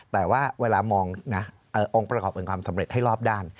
แต่ว่าเวลามองนะองค์ประกอบเป็นความสำเร็จให้รอบด้าน